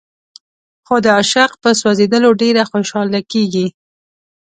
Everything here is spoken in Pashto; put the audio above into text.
خو د عاشق په سوځېدلو ډېره خوشاله کېږي.